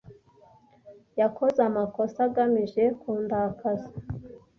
Yakoze amakosa agamije kundakaza.